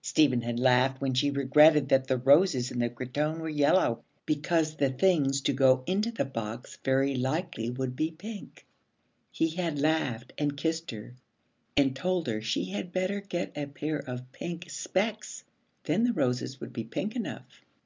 Stephen had laughed when she regretted that the roses in the cretonne were yellow, because the things to go into the box very likely would be pink. He had laughed and kissed her and told her she had better get a pair of pink specs, then the roses would be pink enough.